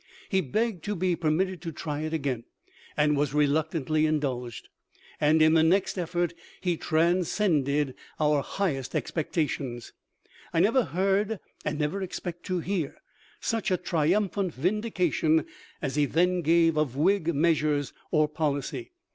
He begged to be per mitted to try it again, and was reluctantly indulged; and in the next effort he transcended our highest expectations.* I never heard and never expect to hear such a triumphant vindication as he then gave of Whig measures or policy.